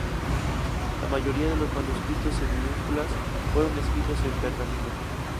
La mayoría de los manuscritos en minúsculas fueron escritos en pergamino.